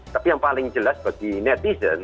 tapi yang paling jelas bagi netizen